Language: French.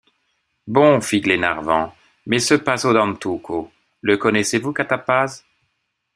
Bon, fit Glenarvan, mais ce paso d’Antuco, le connaissez-vous, catapaz?